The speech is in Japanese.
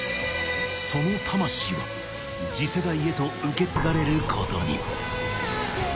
その魂は次世代へと受け継がれることに